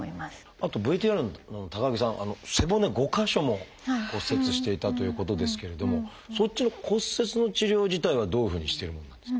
あとＶＴＲの高木さん背骨５か所も骨折していたということですけれどもそっちの骨折の治療自体はどういうふうにしてるものなんですか？